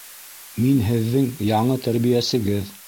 Мин һеҙҙең яңы тәрбиәсегеҙ.